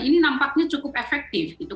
ini nampaknya cukup efektif gitu